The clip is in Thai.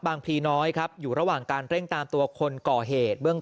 พลีน้อยครับอยู่ระหว่างการเร่งตามตัวคนก่อเหตุเบื้อง